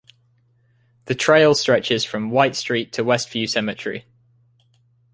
The trail stretches from from White Street to Westview Cemetery.